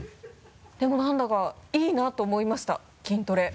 でも何だかいいなと思いました筋トレ。